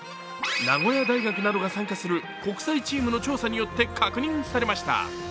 名古屋大学などが参加する国際チームの調査によって確認されました。